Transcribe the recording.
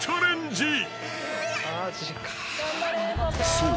［そう。